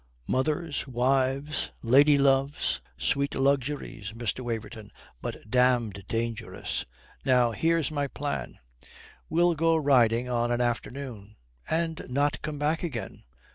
Mothers, wives, lady loves sweet luxuries, Mr. Waverton, but damned dangerous. Now here's my plan. We'll go riding on an afternoon and not come back again.